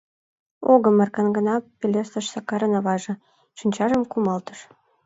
— Огым, — эркын гына пелештыш Сакарын аваже, шинчажым кумалтыш.